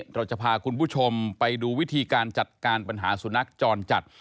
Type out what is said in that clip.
เราจะพาคุณผู้ชมไปดูวิธีการจัดการปัญหาสุนัขจรจัด